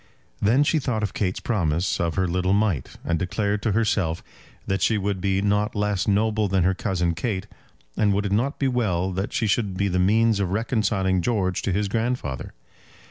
Then she thought of Kate's promise of her little mite, and declared to herself that she would not be less noble than her cousin Kate. And would it not be well that she should be the means of reconciling George to his grandfather?